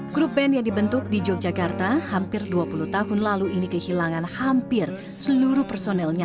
grup band yang dibentuk di yogyakarta hampir dua puluh tahun lalu ini kehilangan hampir seluruh personelnya